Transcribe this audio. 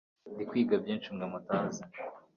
ndi kwiga byinshi mwe mutazi